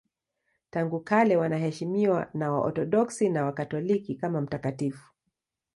Tangu kale anaheshimiwa na Waorthodoksi na Wakatoliki kama mtakatifu.